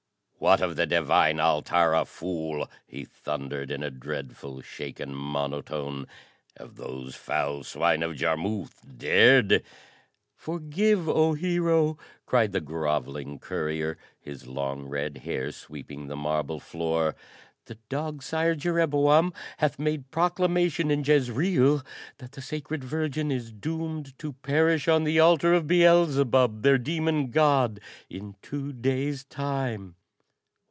"What of the divine Altara, fool?" he thundered in a dreadful, shaken monotone. "Have those foul swine of Jarmuth dared ?" "Forgive, oh Hero!" cried the groveling courier, his long red hair sweeping the marble floor. "The dog sired Jereboam hath made proclamation in Jezreel that the Sacred Virgin is doomed to perish on the altar of Beelzebub, their demon god, in two days' time!"